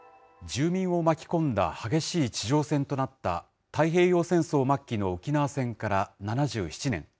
住民を巻き込んだ激しい地上戦となった太平洋戦争末期の沖縄戦から７７年。